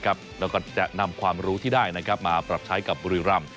แล้วก็จะนำความรู้ที่ได้มาปรับใช้กับบุรีรำ